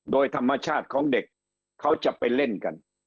โดยธรรมชาติของเด็กเขาจะไปเล่นกัน